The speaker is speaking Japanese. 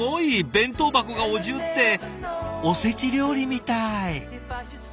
弁当箱がお重っておせち料理みたい。